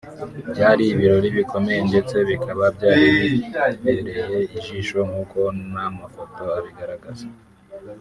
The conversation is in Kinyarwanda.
byari ibirori bikomeye ndetse bikaba byari bibereye ijisho nkuko n’amafoto abigaragaza